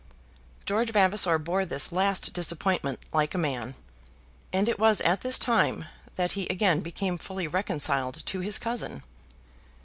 George Vavasor bore this last disappointment like a man, and it was at this time that he again became fully reconciled to his cousin.